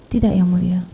tidak yang mulia